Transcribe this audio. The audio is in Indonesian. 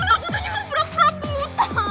orang aku tuh cuma pura pura buta